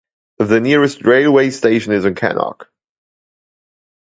The nearest railway station is in Cannock.